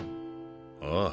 ああ